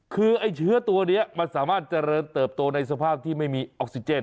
คือไอ้เชื้อตัวนี้มันสามารถเจริญเติบโตในสภาพที่ไม่มีออกซิเจน